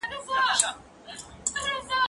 زه هره ورځ سپينکۍ پرېولم!.